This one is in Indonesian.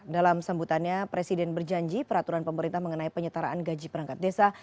dalam sambutannya presiden berjanji peraturan pemerintah mengenai penyetaraan gaji perangkat desa